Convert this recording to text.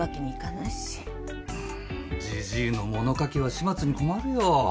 うんじじいのもの書きは始末に困るよ。